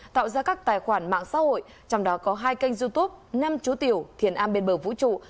tạo ra các tài khoản mạng xã hội trong đó có hai kênh youtube năm chú tiểu thiền an bên bờ vũ trụ